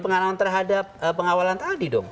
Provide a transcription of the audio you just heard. pengalaman terhadap pengawalan tadi dong